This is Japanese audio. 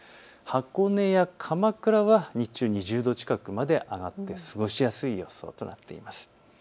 箱根や鎌倉は日中２０度近くまで上がって過ごしやすい予想となっています。